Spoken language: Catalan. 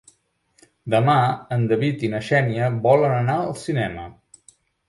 Demà en David i na Xènia volen anar al cinema.